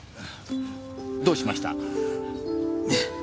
どうしました？